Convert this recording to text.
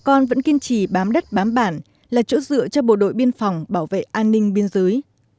bà con vẫn kiên trì bám đất bám bản là chỗ dựa cho bộ đội biên phòng bảo vệ an ninh biên giới